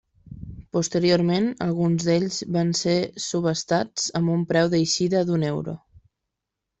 Posteriorment alguns d'ells van ser subhastats amb un preu d'eixida d'un euro.